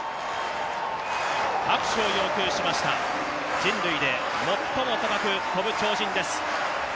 拍手を要求しました、人類で最も高く跳ぶ鳥人です。